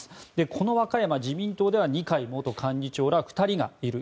この和歌山、自民党では二階元幹事長ら２人がいる。